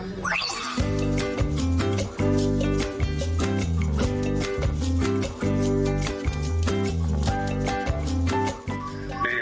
เย้